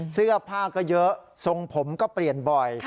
เสื้อผ้าก็เยอะทรงผมก็เปลี่ยนบ่อย